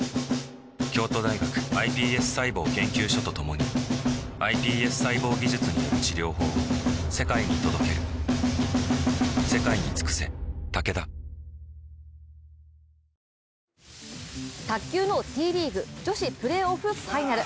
京都大学ｉＰＳ細胞研究所と共にｉＰＳ細胞技術による治療法を世界に届ける卓球のＴリーグ女子プレーオフ・ファイナル。